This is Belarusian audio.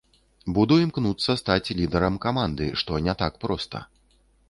Буду імкнуцца стаць лідарам каманды, што не так проста.